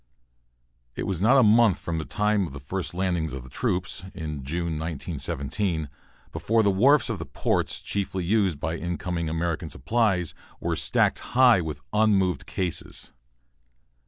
It was not a month from the time of the first landing of troops, in June, 1917, before the wharfs of the ports chiefly used by incoming American supplies were stacked high with unmoved cases.